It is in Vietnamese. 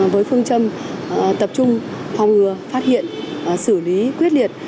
với phương châm tập trung phòng ngừa phát hiện xử lý quyết liệt